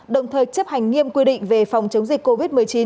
đồng thời chấp hành nghiêm quy định về phòng chống dịch covid một mươi chín